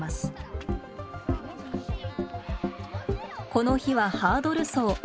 この日はハードル走。